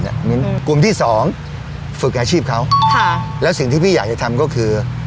มิ้นกลุ่มที่สองฝึกอาชีพเขาค่ะแล้วสิ่งที่พี่อยากจะทำก็คือ